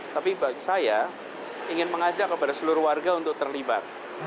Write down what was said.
tapi saya ingin mengajak kepada seluruh warga untuk terlibat